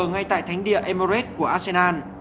ngay tại thánh địa emirates của arsenal